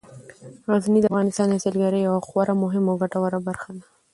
غزني د افغانستان د سیلګرۍ یوه خورا مهمه او ګټوره برخه ده.